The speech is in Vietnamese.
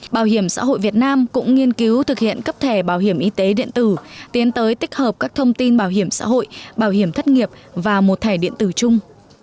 bảo hiểm xã hội việt nam cũng nghiên cứu thực hiện cấp thẻ bảo hiểm y tế điện tử tiến tới tích hợp các thông tin bảo hiểm xã hội bảo hiểm thất nghiệp và một thẻ điện tử chung